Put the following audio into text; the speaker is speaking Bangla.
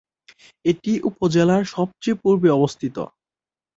এটি উপজেলার সবচেয়ে পূর্বে অবস্থিত।